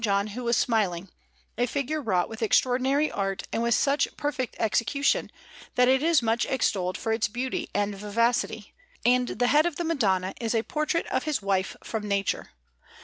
John who is smiling, a figure wrought with extraordinary art and with such perfect execution, that it is much extolled for its beauty and vivacity; and the head of the Madonna is a portrait of his wife from nature.